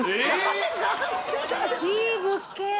いい物件！